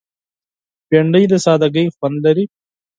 بېنډۍ د سادګۍ خوند لري